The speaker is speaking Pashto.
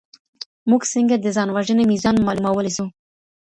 موږ څنګه د ځان وژنې ميزان معلومولی سو؟